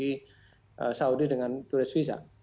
tidak bisa memasuki saudi dengan turis visa